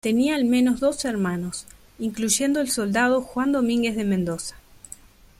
Tenía al menos dos hermanos, incluyendo el soldado Juan Domínguez de Mendoza.